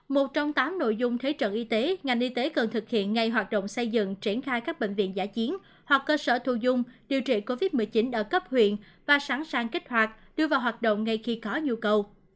một trong tám nội dung thế trận y tế ngành y tế cần thực hiện ngay hoạt động xây dựng triển khai các bệnh viện giả chiến hoặc cơ sở thu dung điều trị covid một mươi chín ở cấp huyện và sẵn sàng kích hoạt đưa vào hoạt động ngay khi có nhu cầu